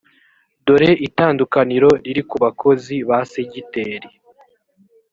dore itandukaniro riri ku bakozi ba segiteri